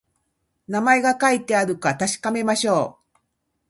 名前が書いてあるか確かめましょう